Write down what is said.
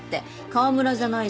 河村じゃないし。